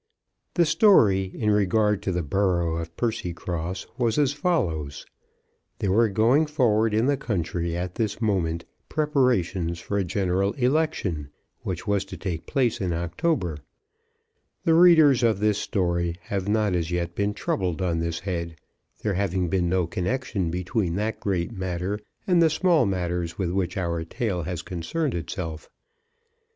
The story in regard to the borough of Percycross was as follows. There were going forward in the country at this moment preparations for a general election, which was to take place in October. The readers of this story have not as yet been troubled on this head, there having been no connection between that great matter and the small matters with which our tale has concerned itself.